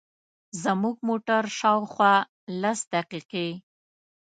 زموږ موټر شاوخوا لس دقیقې.